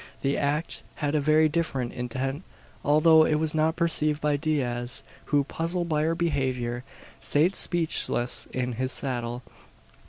The act had a very different intent, though it was not perceived by Diaz; who, puzzled by her behaviour, sate speechless in his saddle.